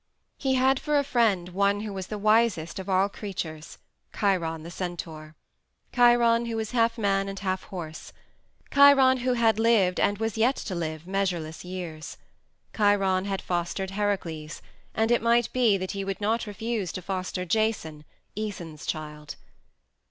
He had for a friend one who was the wisest of all creatures Chiron the centaur; Chiron who was half man and half horse; Chiron who had lived and was yet to live measureless years. Chiron had fostered Heracles, and it might be that he would not refuse to foster Jason, Æson's child.